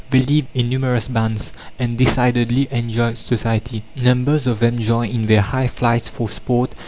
They live in numerous bands, and decidedly enjoy society; numbers of them join in their high flights for sport.